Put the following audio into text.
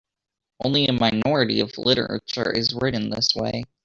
Only a minority of literature is written this way.